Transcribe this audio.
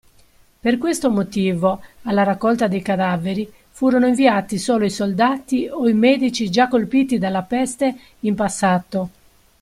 Per questo motivo, alla raccolta dei cadaveri furono inviati solo i soldati o i medici già colpiti dalla peste in passato.